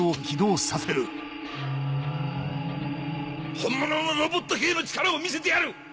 本物のロボット兵の力を見せてやる！